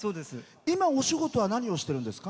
今、お仕事は何をしてるんですか。